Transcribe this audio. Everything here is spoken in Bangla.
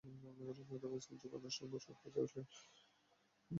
তবে স্মিথ-যুগ আনুষ্ঠানিকভাবে শুরু হয়েছে অ্যাশেজ শেষে মাইকেল ক্লার্কের বিদায়ের পর।